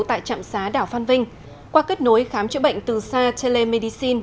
tại trạm xá đảo phan vinh qua kết nối khám chữa bệnh từ xa telemedicine